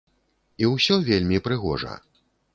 І ўсё вельмі прыгожа.